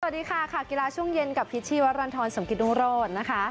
สวัสดีค่ะกีฬาช่วงเย็นกับพิษชีวรรณทรสมกิจดุงโรธ